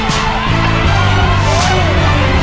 สวัสดีครับ